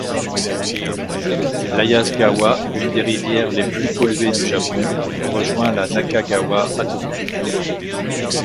L’Ayase-gawa, une des rivières les plus polluées du Japon, rejoint la Naka-gawa à Tokyo.